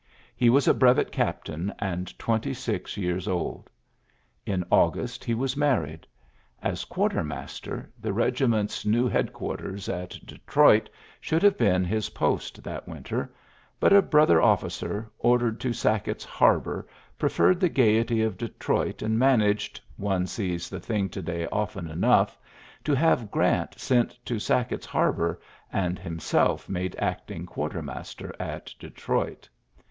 He was a ULYSSES S. GEAIfT 25 brevet captain, and twenty six years old. In August he was married. As quartermaster, the regiment's new headquarters at Detroit should have been his post that winter ; but a brother officer, ordered to Sackett^s Harbor, pre ferred the gayety of Detroit, and man aged — one sees the thing to day often enough — to have Grant sent to Sack ett's Harbor, and himself made acting quartermaster at Detroit.